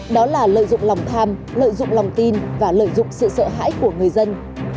đó là lợi dụng lòng tham lợi dụng lòng tin và lợi dụng sự sợ hãi của người dân